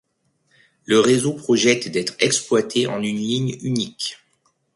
Le réseau projette d'être exploité en une ligne unique.